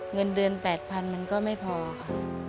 เงินเดือน๘๐๐๐มันก็ไม่พอค่ะ